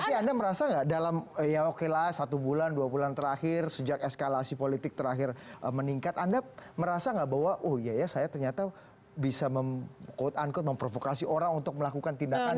tapi anda merasa nggak dalam ya oke lah satu bulan dua bulan terakhir sejak eskalasi politik terakhir meningkat anda merasa nggak bahwa oh iya ya saya ternyata bisa mem quote unquo memprovokasi orang untuk melakukan tindakan